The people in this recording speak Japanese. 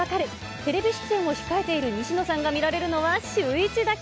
テレビ出演を控えている西野さんが見られるのはシューイチだけ。